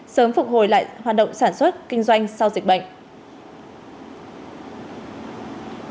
sớm phục hồi lại hoạt động sản xuất kinh doanh sau dịch bệnh